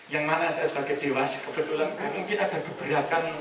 yang mana saya sebagai triwasi kebetulan mungkin ada keberakan